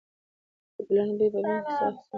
د ګلانو بوی په بڼ کې ساه اخیستل خوندور کوي.